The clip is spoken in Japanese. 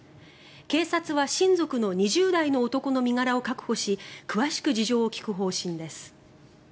警察は親族の２０代の男の身柄を確保し詳しく事情を聴く方針です。